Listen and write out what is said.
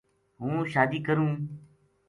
ہوں شادی کروں